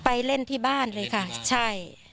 ไปเล่นที่บ้านเลยค่ะใช่